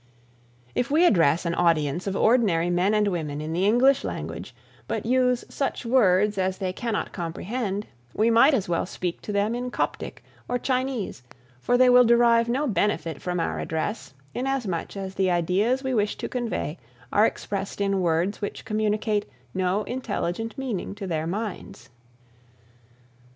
If we address an audience of ordinary men and women in the English language, but use such words as they cannot comprehend, we might as well speak to them in Coptic or Chinese, for they will derive no benefit from our address, inasmuch as the ideas we wish to convey are expressed in words which communicate no intelligent meaning to their minds.